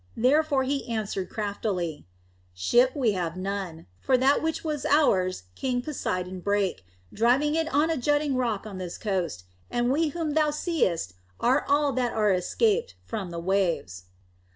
Therefore he answered him craftily: "Ship have we none, for that which was ours King Poseidon brake, driving it on a jutting rock on this coast, and we whom thou seest are all that are escaped from the waves."